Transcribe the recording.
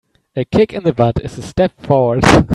A kick in the butt is a step forward.